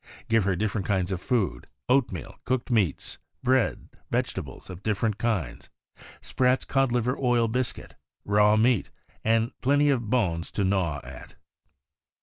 Give her different kinds of food — oatmeal, cooked meats, bread, vegetables of dif ferent kinds, Spratt's codliver oil biscuit, raw meat, and plenty of bones to griaw at.